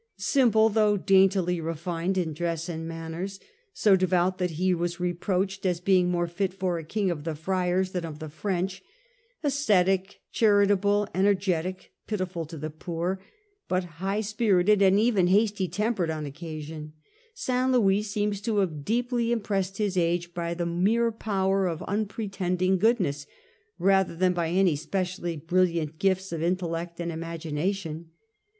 Simple though daintily refined in dress and manners, so devout that he was reproached as being more fit for a king of the Friars than of the P'rench, ascetic, charitable, energetic, pitiful to the poor, but high spirited and even hasty tempered on occasion, Saint Louis seems to have deeply impressed his age by the mere power*;" of unpretending goodness, rather than by any specially brilliant gifts of intellect and imagination.